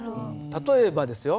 例えばですよ